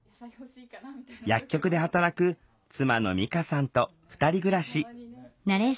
薬局で働く妻のみかさんと２人暮らし。